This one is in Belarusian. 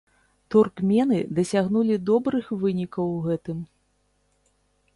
Туркмены дасягнулі добрых вынікаў у гэтым.